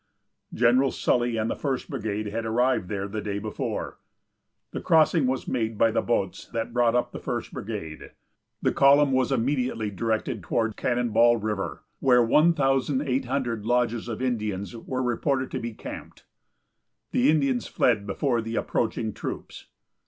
General Sully and the First Brigade had arrived there the day before. The crossing was made by the boats that brought up the First Brigade. The column was immediately directed toward Cannon Ball river, where 1,800 lodges of Indians were reported to be camped. The Indians fled before the approaching troops.